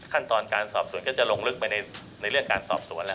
ขั้นตอนการสอบสวนก็จะลงลึกไปในเรื่องการสอบสวนแล้ว